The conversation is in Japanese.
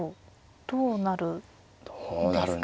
どうなるんですかね。